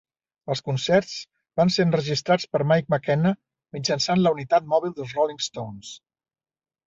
Els concerts van ser enregistrats per Mike McKenna mitjançant la unitat mòbil dels Rolling Stones.